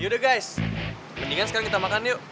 yaudah guys mendingan sekarang kita makan yuk